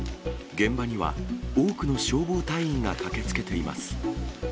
現場には、多くの消防隊員が駆けつけています。